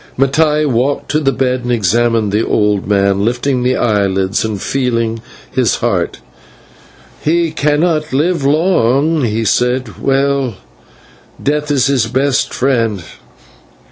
Mattai walked to the bed and examined the old man, lifting the eyelids and feeling his heart. "He cannot live long," he said. "Well, death is his best friend.